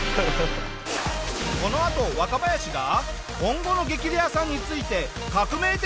このあと若林が今後の『激レアさん』について革命的